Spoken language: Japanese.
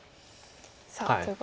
さあということで。